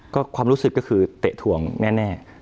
ก็ความรู้สึกก็คือเตะถวงแน่